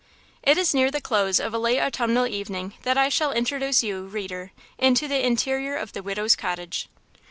It is near the close of a late autumnal evening that I shall introduce you, reader, into the interior of the widow's cottage.